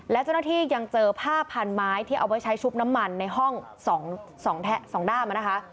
และเจ้าหน้าที่ยังเจอผ้าพันไม้ที่เอาไว้ใช้ชุบน้ำมันในห้อง๒ด้ามนะคะ